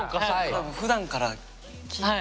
でもふだんから聞いて。